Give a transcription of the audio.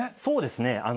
そうですね。